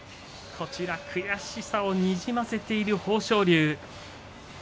こちら悔しさをにじませている豊昇龍。